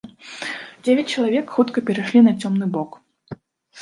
Дзевяць чалавек, хутка перайшлі на цёмны бок.